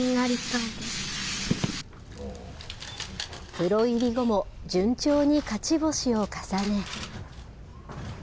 プロ入り後も順調に勝ち星を重ね。